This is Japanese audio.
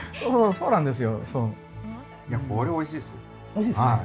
そうなんです。